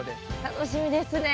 楽しみですね。